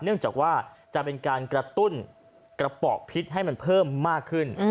เนื่องจากว่าจะเป็นการกระตุ้นกระเป๋าพิษให้มันเพิ่มมากขึ้น